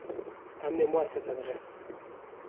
Emmenez-moi à cette adresse.